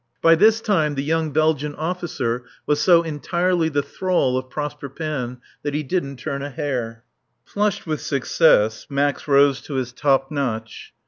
By this time the young Belgian officer was so entirely the thrall of Prosper Panne that he didn't turn a hair. Flushed with success, Max rose to his top notch.